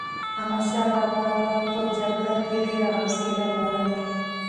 احمدشاه بابا په جګړه کې ډېر حوصله لرله.